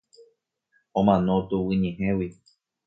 Omano tuguyñehẽgui.